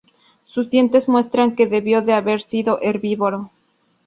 Sus dientes muestran que debió de haber sido herbívoro.